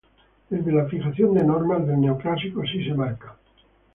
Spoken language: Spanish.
Desde la fijación de normas del neoclásico sí se marcan.